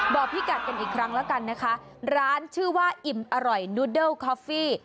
บอกพี่กัดกันอีกครั้งแล้วกันนะคะร้านชื่อว่าอิ่มอร่อยนูเดิลคอฟฟี่